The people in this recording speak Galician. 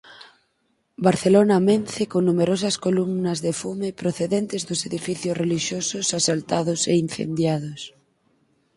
Barcelona amence con numerosas columnas de fume procedentes dos edificios relixiosos asaltados e incendiados.